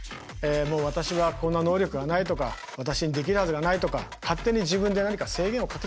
私はこんな能力がないとか私にできるはずがないとか勝手に自分で何か制限をかけちゃってんですよね。